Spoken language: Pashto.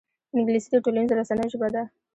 انګلیسي د ټولنیزو رسنیو ژبه ده